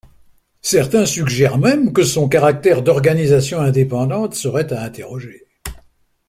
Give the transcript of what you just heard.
Certains suggèrent même que son caractère d’organisation indépendante serait à interroger.